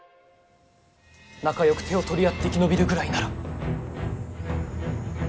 仲よく手を取り合って生き延びるぐらいなら。